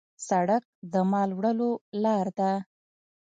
سړک د مال وړلو لار ده.